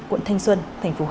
quận thanh xuân thành phố hà nội